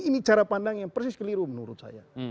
ini cara pandang yang persis keliru menurut saya